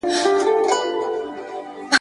له یخنیه وه بېزار خلک له ګټو !.